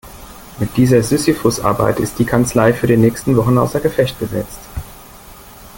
Mit dieser Sisyphusarbeit ist die Kanzlei für die nächsten Wochen außer Gefecht gesetzt.